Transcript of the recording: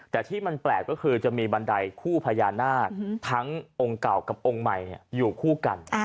แต่ที่มันแปลกก็คือจะมีบันไดคู่พญานาคทั้งองค์เก่ากับองค์ใหม่อยู่คู่กัน